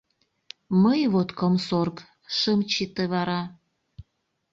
Мый вот, комсорг, шым чыте вара...